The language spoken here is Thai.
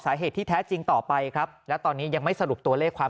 สาเหตุที่แท้จริงต่อไปครับและตอนนี้ยังไม่สรุปตัวเลขความ